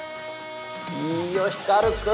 いいよ光君！